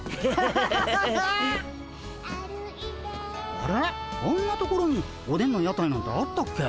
あんなところにおでんの屋台なんてあったっけ？